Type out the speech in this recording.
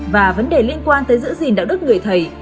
và vấn đề liên quan tới giữ gìn đạo đức người thầy